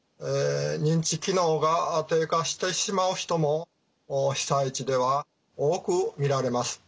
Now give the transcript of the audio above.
認知機能が低下してしまう人も被災地では多く見られます。